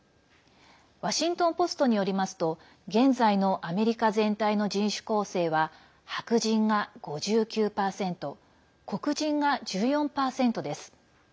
ワシントン・ポストによりますと現在のアメリカ全体の人種構成は白人が５９％、黒人が１４％です。